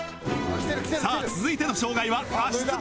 さあ続いての障害は足ツボパン食い